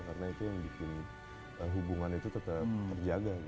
karena itu yang bikin hubungan itu tetap terjaga